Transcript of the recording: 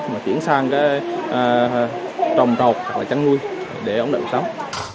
mà chuyển sang trồng trọt hoặc là trắng nuôi để ổn định sống